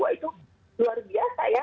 wah itu luar biasa ya